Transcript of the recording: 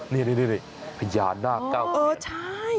นี่พญานาคเก้าเทียนเออใช่